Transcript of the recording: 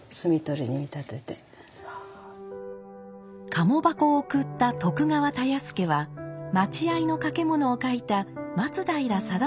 鴨箱を贈った徳川田安家は待合の掛物を書いた松平定信の実家。